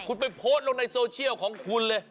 คุณไปโพสต์ลงในโซเชียลของคุณเลย